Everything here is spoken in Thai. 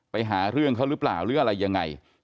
ไปหาเรื่องเขาหรือเปล่าหรืออะไรยังไง